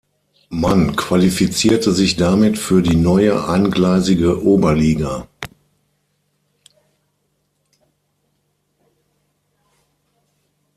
Man qualifizierte sich damit für die neue eingleisige Oberliga.